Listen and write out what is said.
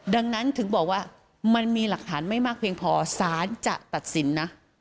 ดังนั้นถึงบอกว่ามันมีหลักฐานไม่มากเพียงพอสารจะตัดสินนะ